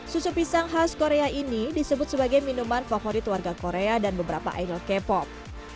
susu pisang khas korea ini disebut sebagai minuman favorit warga korea dan beberapa idol k pop